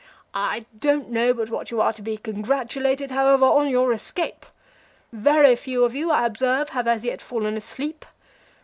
I don't know but what you are to be congratulated, however, on your escape. Very few of you, I observe, have as yet fallen asleep.